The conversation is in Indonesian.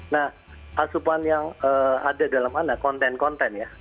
nah asupan yang ada dalam anak konten konten ya